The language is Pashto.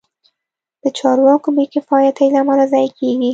د چارواکو بې کفایتۍ له امله ضایع کېږي.